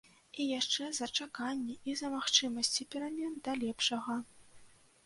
І яшчэ за чаканне і за магчымасці перамен да лепшага.